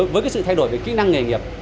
với sự thay đổi về kỹ năng nghề nghiệp